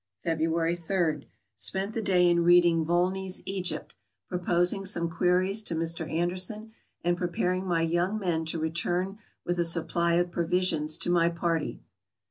February 3. — Spent the day in reading Volney's "Egypt," proposing some queries to Mr. Anderson, and preparing my young men to return with a supply of provi sions to my party.